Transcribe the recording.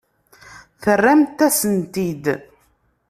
Terramt-asen-t-id.